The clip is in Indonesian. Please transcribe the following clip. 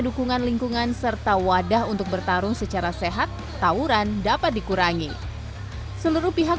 dukungan lingkungan serta wadah untuk bertarung secara sehat tawuran dapat dikurangi seluruh pihak